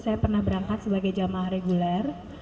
saya pernah berangkat sebagai jamaah reguler